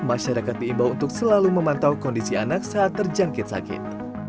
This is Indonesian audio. masyarakat diimbau untuk selalu memantau kondisi anak saat terjangkit sakit